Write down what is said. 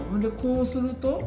でこうすると？